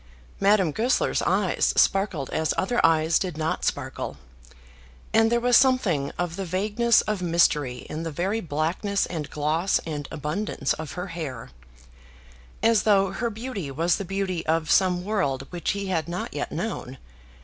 Madame Goesler's eyes sparkled as other eyes did not sparkle, and there was something of the vagueness of mystery in the very blackness and gloss and abundance of her hair, as though her beauty was the beauty of some world which he had not yet known.